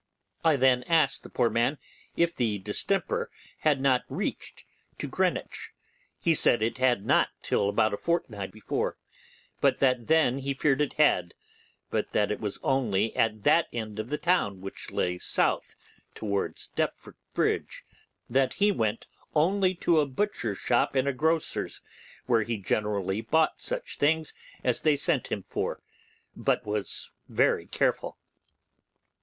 I then asked the poor man if the distemper had not reached to Greenwich. He said it had not till about a fortnight before; but that then he feared it had, but that it was only at that end of the town which lay south towards Deptford Bridge; that he went only to a butcher's shop and a grocer's, where he generally bought such things as they sent him for, but was very careful.